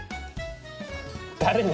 誰に？